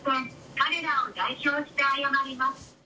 彼らを代表して謝ります。